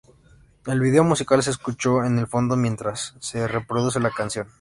El video musical se escuchó en el fondo mientras se reproduce la canción.